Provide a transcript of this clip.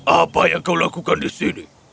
apa yang kau lakukan di sini